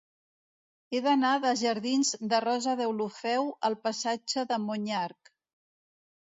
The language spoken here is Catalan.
He d'anar dels jardins de Rosa Deulofeu al passatge de Monyarc.